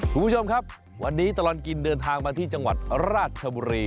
คุณผู้ชมครับวันนี้ตลอดกินเดินทางมาที่จังหวัดราชบุรี